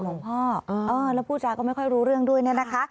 อ่อแล้วผู้จาก็ไม่ค่อยรู้เรื่องด้วยนะนะคะ